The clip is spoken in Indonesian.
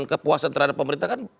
kepuasan terhadap pemerintah kan